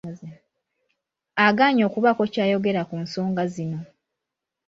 Agaanye okubaako ky’ayogera ku nsonga zino.